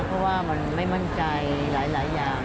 เพราะว่ามันไม่มั่นใจหลายอย่าง